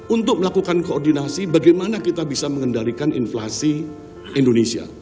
untuk melakukan koordinasi bagaimana kita bisa mengendalikan inflasi indonesia